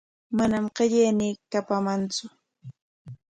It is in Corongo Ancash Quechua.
Manam qillaynin kapuntsu.